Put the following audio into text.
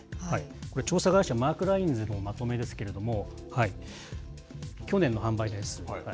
これ、調査会社、マークラインズのまとめですけれども、去年の販売台数。